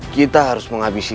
kita harus menghabisi